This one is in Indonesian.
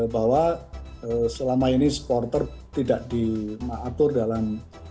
bahwa selama ini supporter tidak diatur dalam